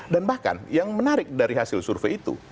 dan bahkan yang menarik dari hasil survei itu